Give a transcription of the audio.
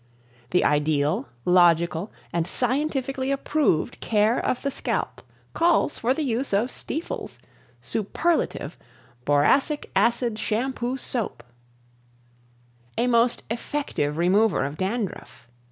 The ideal, logical and scientifically approved care of the scalp calls for the use of STIEFEL'S Superlative BORACIC ACID SHAMPOO SOAP A most effective remover of Dandruff.